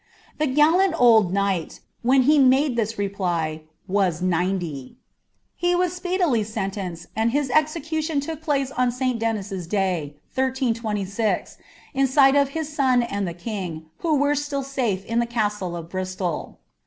^ The gallant old knight, when he made this reply, was ninety. He was speedily sentenced, and his execution took place on St Denis's day, 1326, in sight of his son and the king, who were still safe in the castle of Bristol.